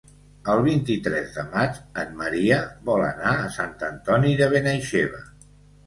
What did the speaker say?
El vint-i-tres de maig en Maria vol anar a Sant Antoni de Benaixeve.